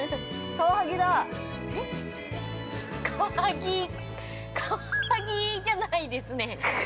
◆カワハギカワハギじゃないですね。